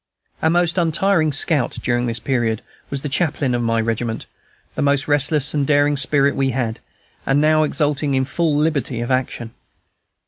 Our most untiring scout during this period was the chaplain of my regiment, the most restless and daring spirit we had, and now exulting in full liberty of action.